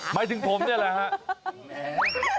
หมายถึงผมนี่แหละครับ